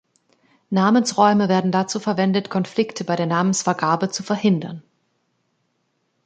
Namensräume werden dazu verwendet, Konflikte bei der Namensvergabe zu verhindern.